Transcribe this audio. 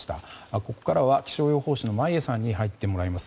ここからは気象予報士の眞家さんに入ってもらいます。